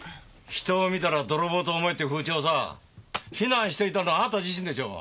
「人を見たら泥棒と思え」って風潮をさ非難していたのはあなた自身でしょう。